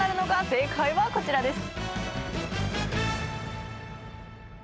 正解はこちらです。